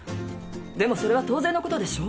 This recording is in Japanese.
でもそれは当然のことでしょう？